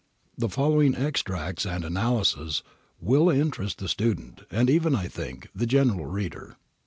The following extracts and analyses will interest the student, and even, I think, the general reader.